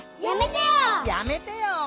「やめてよ」